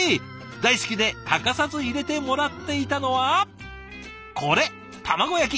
大好きで欠かさず入れてもらっていたのはこれ卵焼き。